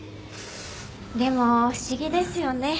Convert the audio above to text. でも不思議ですよね。